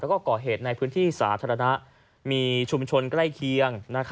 แล้วก็ก่อเหตุในพื้นที่สาธารณะมีชุมชนใกล้เคียง